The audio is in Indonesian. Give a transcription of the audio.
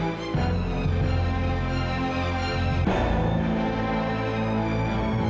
kenapa masih diem